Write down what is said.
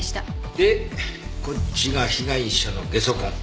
でこっちが被害者のゲソ痕。